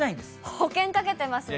保険かけてますね。